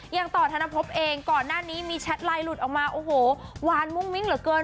อย่างต่อธนภพเองก่อนหน้านี้มีแชทไลน์หลุดออกมาโอ้โหวานมุ่งมิ้งเหลือเกิน